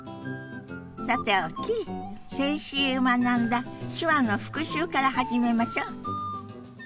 さておき先週学んだ手話の復習から始めましょ。